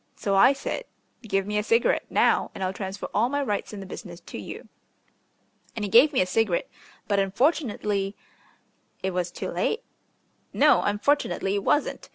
So I said, 'Give me a cigarette now, and I'll transfer all my rights in the business to you.' And he gave me a cigarette; but unfortunately " "It was too late?" "No. Unfortunately it wasn't.